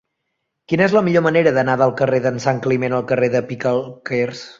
Quina és la millor manera d'anar del carrer d'en Santcliment al carrer de Picalquers?